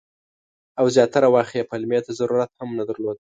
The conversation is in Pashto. او زیاتره وخت یې پلمې ته ضرورت هم نه درلود.